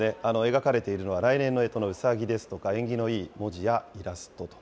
描かれているのは、来年のえとのうさぎですとか、縁起のいい文字やイラストと。